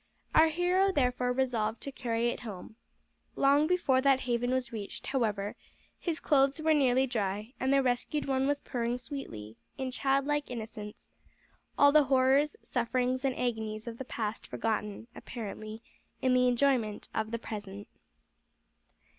Our hero therefore resolved to carry it home. Long before that haven was reached, however, his clothes were nearly dry, and the rescued one was purring sweetly, in childlike innocence all the horrors, sufferings, and agonies of the past forgotten, apparently, in the enjoyment of the present.